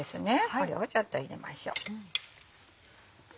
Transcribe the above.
これをちょっと入れましょう。